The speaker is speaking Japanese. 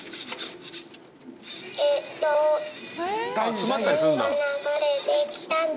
詰まったりするんだ。